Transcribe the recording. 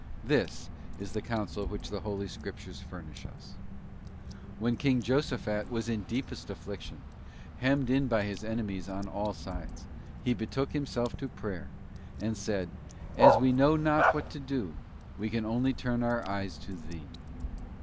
This is the counsel which the Holy Scriptures furnish us. When King Josaphat was in deepest affliction, hemmed in by his enemies on all sides, he betook himself to prayer, and said, 'As we know not what to do, we can only turn our eyes to Thee.